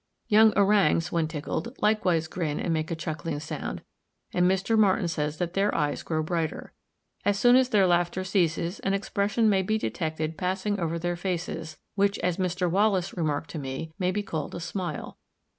Young Orangs, when tickled, likewise grin and make a chuckling sound; and Mr. Martin says that their eyes grow brighter. As soon as their laughter ceases, an expression may be detected passing over their faces, which, as Mr. Wallace remarked to me, may be called a smile.